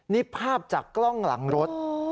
นี่ภาพจากกล้องหลังรถ